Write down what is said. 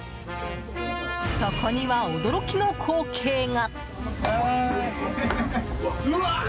そこには、驚きの光景が。